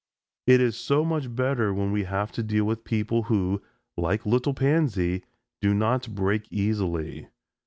It is so much better when we have to deal with people who, like little Pansy, do not break easily.